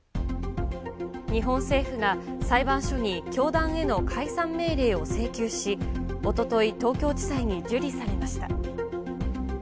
日本政府が、裁判所に教団への解散命令を請求し、おととい、東京地裁に受理されました。